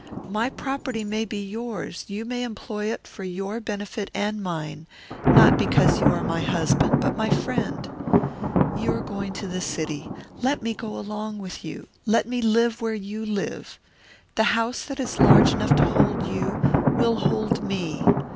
My property may be yours; you may employ it for your benefit and mine; not because you are my husband, but my friend. You are going to the city. Let me go along with you. Let me live where you live. The house that is large enough to hold you will hold me.